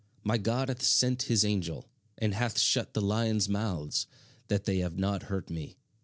My God hath sent his angel, and hath shut the lions' mouths, that they have not hurt me."